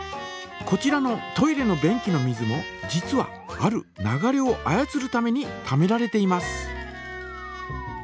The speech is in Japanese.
こちらのトイレの便器の水も実はある流れを操るためにためられています。